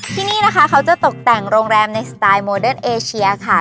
ที่นี่นะคะเขาจะตกแต่งโรงแรมในสไตล์โมเดิร์นเอเชียค่ะ